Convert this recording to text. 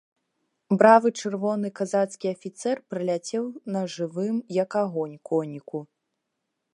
Бравы чырвоны казацкі афіцэр праляцеў на жывым, як агонь, коніку.